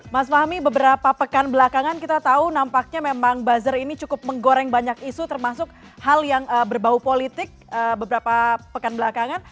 mas fahmi beberapa pekan belakangan kita tahu nampaknya memang buzzer ini cukup menggoreng banyak isu termasuk hal yang berbau politik beberapa pekan belakangan